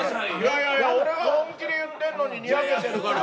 いやいや俺が本気で言ってんのにニヤけてるから。